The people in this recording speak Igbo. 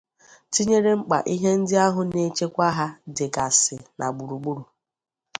tinyere mkpà ihe ndị ahụ na nchekwa ha dịgasị na gburugburu.